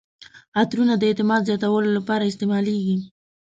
عطرونه د اعتماد زیاتولو لپاره استعمالیږي.